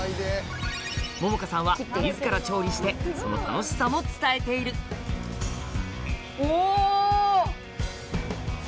百々絵さんは自ら調理してその楽しさも伝えているお！